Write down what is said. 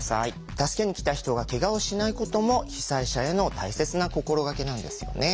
助けに来た人がけがをしないことも被災者への大切な心がけなんですよね。